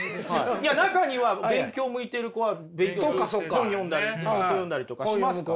中には勉強向いてる子は勉強して本読んだりとかしますから。